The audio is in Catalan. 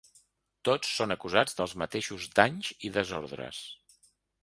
Tots són acusats dels mateixos danys i desordres.